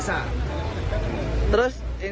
sedada orang dewa